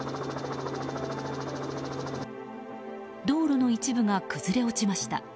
道路の一部が崩れ落ちました。